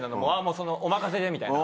「お任せで」みたいな。